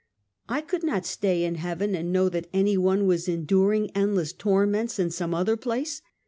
I could not stay in heaven, and know that any one was enduring endless torments in some other place!